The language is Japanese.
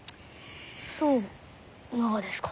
そうながですか。